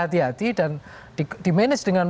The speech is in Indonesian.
hati hati dan di manage dengan